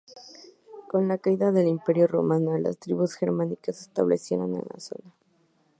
Con la caída del Imperio romano las tribus germánicas se establecieron en la zona.